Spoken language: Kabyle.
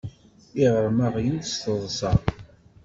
Iɣṛem aɣyul s teḍṣa.